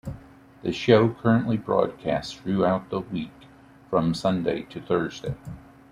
The Show currently broadcasts throughout the week, from Sunday to Thursday.